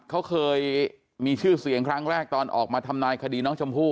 เขาเคยมีชื่อเสียงครั้งแรกตอนออกมาทำนายคดีน้องชมพู่